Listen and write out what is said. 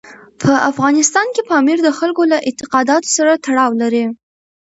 په افغانستان کې پامیر د خلکو له اعتقاداتو سره تړاو لري.